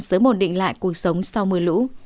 sớm bổn định lại cuộc sống sau mưa lũ